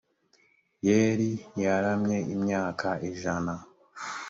yeli yaramye imyaka ijana